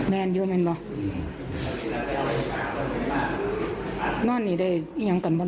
แมนเยอะแมนบ่นั่นนี่ได้ยังกันบ่น